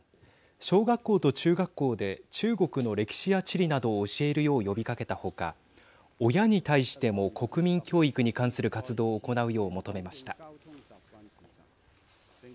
小学校と中学校で中国の歴史や地理などを教えるよう呼びかけた他親に対しても国民教育に関する活動を行うよう求めました。